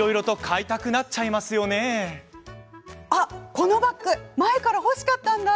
このバッグ前から欲しかったんだ！